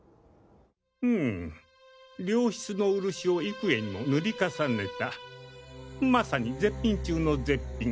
うむ良質の漆を幾重にも塗り重ねたまさに絶品中の絶品！